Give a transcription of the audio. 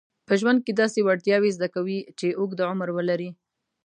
په ژوند کې داسې وړتیاوې زده کوي چې اوږد عمر ولري.